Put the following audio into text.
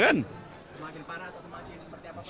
semakin parah atau semakin